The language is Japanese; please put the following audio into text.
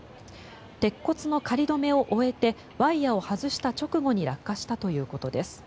鉄骨の仮止めを終えてワイヤを外した直後に落下したということです。